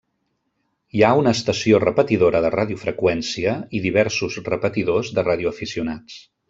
Hi ha una estació repetidora de radiofreqüència i diversos repetidors de radioaficionats.